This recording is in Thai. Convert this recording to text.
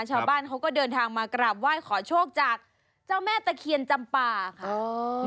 ชาวบ้านเขาก็เดินทางมากราบไหว้ขอโชคจากเจ้าแม่ตะเคียนจำป่าค่ะ